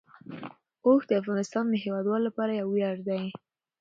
اوښ د افغانستان د هیوادوالو لپاره یو ویاړ دی.